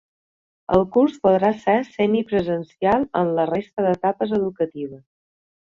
El curs podrà ser semipresencial en la resta d’etapes educatives.